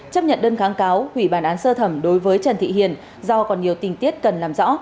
chấp nhận đơn kháng cáo hủy bản án sơ thẩm đối với trần thị hiền do còn nhiều tình tiết cần làm rõ